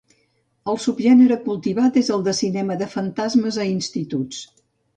El subgènere cultivat és del cinema de fantasmes a instituts.